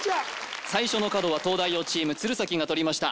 最初の角は東大王チーム鶴崎が取りました